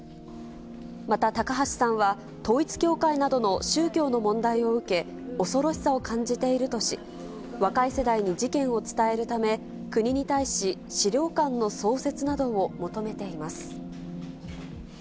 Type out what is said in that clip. また高橋さんは、統一教会などの宗教の問題を受け、恐ろしさを感じているとし、若い世代に事件を伝えるため、国に対し、資料館の創設などを求めています。